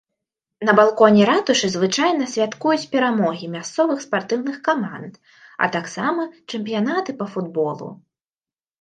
На балконе ратушы звычайна святкуюцца перамогі мясцовых спартыўных каманд, а таксама чэмпіянаты па футболу.